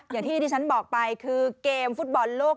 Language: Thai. อย่างที่ที่ฉันบอกไปคือเกมฟุตบอลโลก